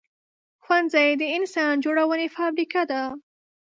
ښوونځی د انسان جوړونې فابریکه ده